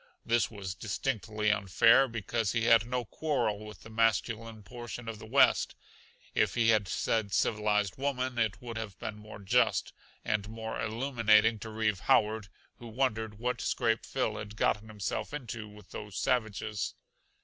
This was distinctly unfair, because he had no quarrel with the masculine portion of the West. If he had said civilized woman it would have been more just and more illuminating to Reeve Howard who wondered what scrape Phil had gotten himself into with those savages.